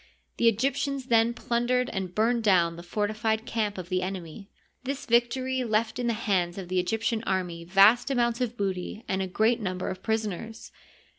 The Egyptians then plundered and burned down the fortified camp of the ene my. This victory left in the hands of the Egyptian army vast amounts of booty and a great number of prisoners.